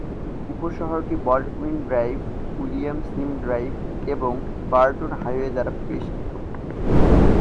উপশহরটি Baldwin Drive, William Slim Drive এবং Burton Highway দ্বারা বেষ্টিত।